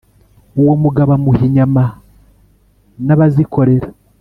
Uwo mugabo amuha inyama n'abazikorera